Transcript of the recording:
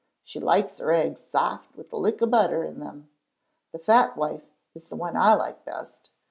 She likes her eggs saft wi' a lick of butter in them. The Fat Wife is the one I like best.